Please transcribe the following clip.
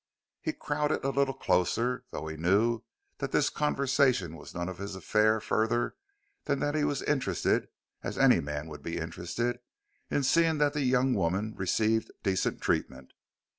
He crowded a little closer, though he knew that this conversation was none of his affair further than that he was interested as any man would be interested in seeing that the young woman received decent treatment.